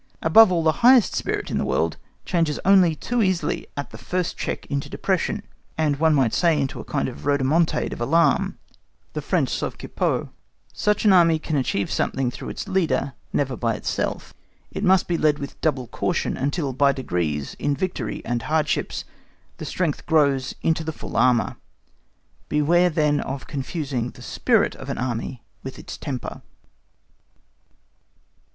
Above all, the highest spirit in the world changes only too easily at the first check into depression, and one might say into a kind of rhodomontade of alarm, the French sauve que peut.—Such an Army can only achieve something through its leader, never by itself. It must be led with double caution, until by degrees, in victory and hardships, the strength grows into the full armour. Beware then of confusing the SPIRIT of an Army with its temper.